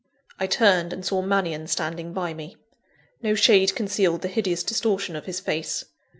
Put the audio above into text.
_" I turned, and saw Mannion standing by me. No shade concealed the hideous distortion of his face.